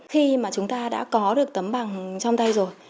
khi mà chúng ta đã có được tấm bằng trong tay rồi